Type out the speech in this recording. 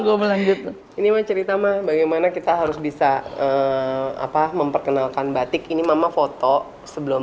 gue berlanjut ini mah cerita mah bagaimana kita harus bisa apa memperkenalkan batik ini mama foto sebelum